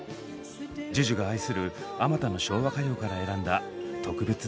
ＪＵＪＵが愛するあまたの昭和歌謡から選んだ特別な１曲です。